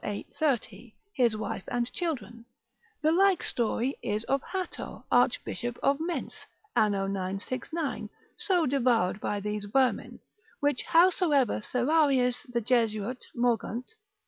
830, his wife and children; the like story is of Hatto, Archbishop of Mentz, ann. 969, so devoured by these vermin, which howsoever Serrarius the Jesuit Mogunt.